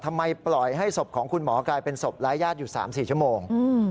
ทำไมปล่อยให้ศพของคุณหมอกลายเป็นศพร้ายญาติอยู่๓๔ชั่วโมง